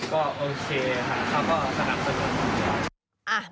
ก็โอเคค่ะเขาก็สนับสนุน